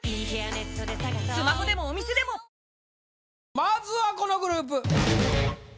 まずはこのグループ！